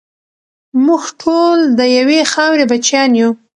موږ ټول د یوې خاورې بچیان یو.